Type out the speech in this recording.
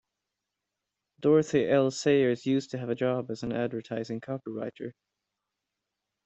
Dorothy L Sayers used to have a job as an advertising copywriter